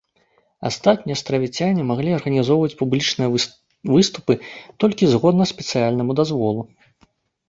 Астатнія астравіцяне маглі арганізоўваць публічныя выступы толькі згодна спецыяльнаму дазволу.